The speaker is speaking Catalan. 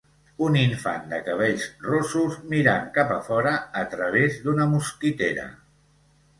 Un infant de cabells rossos mirant cap a fora a través d'una mosquitera.